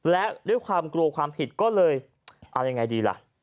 และด้วยความกลัวความผิดก็เลยเอายังไงดีล่ะ